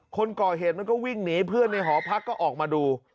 คนก่อเหตุมันก็วิ่งหนีเพื่อนในหอพักก็ออกมาดู